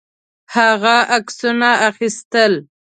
هغه عکسونه اخیستل.